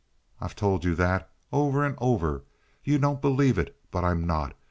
I've told you that over and over. You don't believe it, but I'm not.